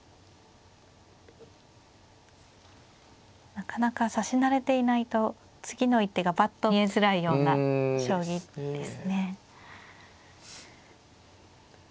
なかなか指し慣れていないと次の一手がパッと見えづらいような将棋ですね。